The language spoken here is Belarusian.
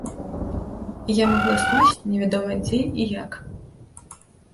І я магла скончыць невядома дзе і як.